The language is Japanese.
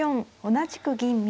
同じく銀右。